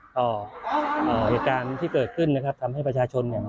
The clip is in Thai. ต่อเหตุการณ์ที่เกิดขึ้นนะครับทำให้ประชาชนเนี่ย